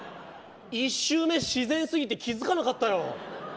１周目、自然すぎて気付かなかったわ。